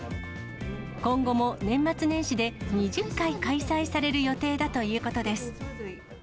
今後も年末年始で２０回開催される予定だということです。